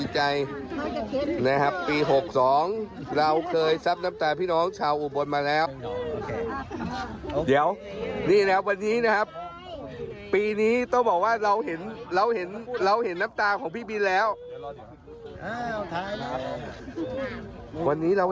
ชาวบ้านซึ้งพี่บินก็ซึ้งเหมือนกันนะ